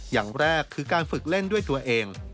อย่างแรกคือการฝึกเล่นด้วยตัวเอง